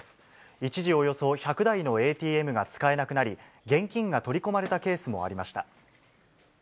一時およそ１００台のＡＴＭが使えなくなり、現金が取り込まれたケースもありました。